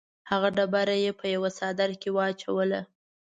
هغه ډبره یې په یوه څادر کې واچوله.